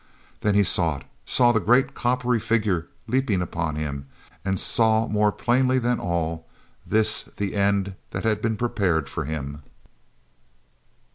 Then he saw it, saw the great coppery figure leaping upon him—and saw more plainly than all this the end that had been prepared for him.